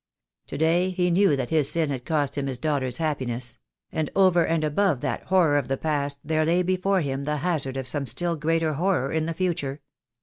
To day he knew that his sin had cost him his daughter's happiness; and over and above that horror of the past there lay before him the hazard of some still greater horror in the future.